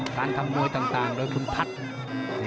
การทำมวยต่างโดยคุณพัฒน์